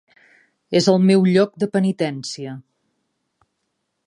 És el meu lloc de penitència.